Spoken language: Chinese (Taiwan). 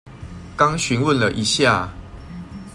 剛詢問了一下